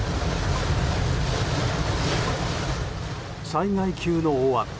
災害級の大雨。